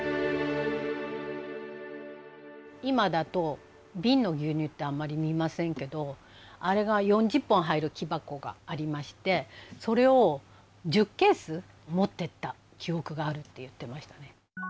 今だと瓶の牛乳ってあんまり見ませんけどあれが４０本入る木箱がありましてそれを１０ケース持っていった記憶があるって言ってましたね。